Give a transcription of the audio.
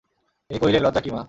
তিনি কহিলেন, লজ্জা কী মা।